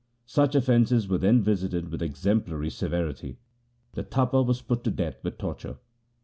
Such offences were then visited with exemplary severity. The Tapa was put to death with torture.